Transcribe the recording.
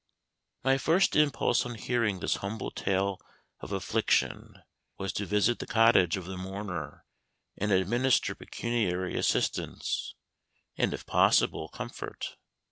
My first impulse on hearing this humble tale of affliction was to visit the cottage of the mourner, and administer pecuniary assistance, and, if possible, comfort.